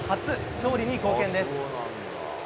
勝利に貢献です。